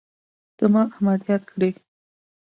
ته ما عمليات کړى يې.